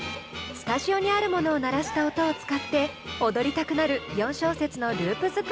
スタジオにあるものを鳴らした音を使って踊りたくなる４小節のループ作りに挑戦します。